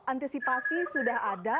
antisipasi sudah ada